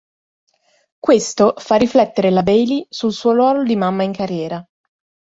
Questo fa riflettere la Bailey sul suo ruolo di mamma in carriera.